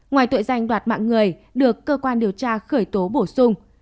ngoài tội danh đoạt mạng người được cơ quan điều tra khởi tố bổ sung